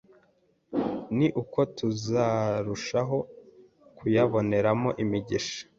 ni ko tuzarushaho kuyaboneramo imigisha.